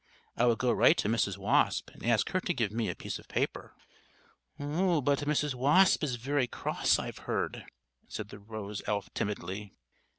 I would go right to Mrs. Wasp, and ask her to give me a piece of paper." "But Mrs. Wasp is very cross, I've heard," said the rose elf timidly.